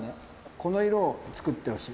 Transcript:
この色を作ってほしい。